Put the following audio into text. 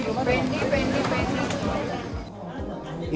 pendi pendi pendi